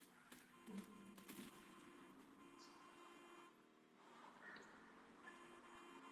na makampuni makubwa ya kibiashara Jose aliazimia kufanya onesho kubwa disemba mwaka elfu